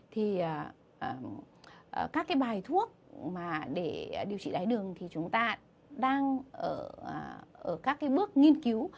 thì các cái bài thuốc để điều trị đài tháo đường thì chúng ta đang ở các cái bước nghiên cứu